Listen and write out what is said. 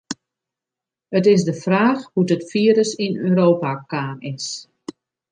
It is de fraach hoe't it firus yn Europa kaam is.